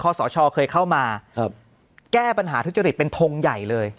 คศชอเคยเข้ามาแก้ปัญหาธรรมเป็นทงใหญ่เลย